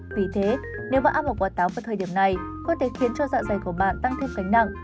tuy thế nếu bạn ăn một quả táo vào thời điểm này có thể khiến cho dạng giày của bạn tăng thêm cánh nặng